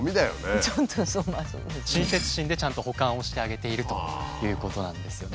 親切心でちゃんと保管をしてあげているということなんですよね。